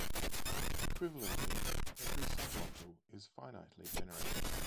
Equivalently, every submodule is finitely generated.